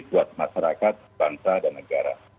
buat masyarakat bangsa dan negara